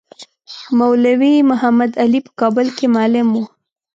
مولوی محمدعلي په کابل کې معلم وو.